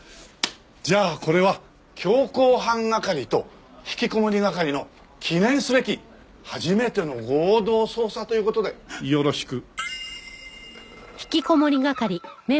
じゃあこれは強行犯係とひきこもり係の記念すべき初めての合同捜査という事でよろしく。